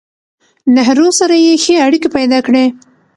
نهرو سره يې ښې اړيکې پېدا کړې